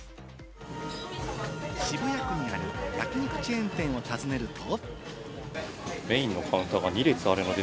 渋谷区にある焼き肉チェーン店を訪ねると。